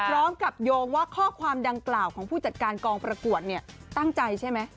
พร้อมกับโยงว่าข้อความดังกล่าวของผู้จัดการกองประกวดเนี่ยตั้งใจใช่ไหม